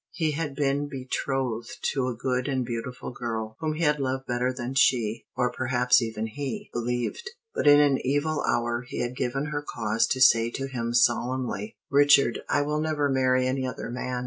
He had been betrothed to a good and beautiful girl, whom he had loved better than she or perhaps even he believed; but in an evil hour he had given her cause to say to him solemnly, "Richard, I will never marry any other man.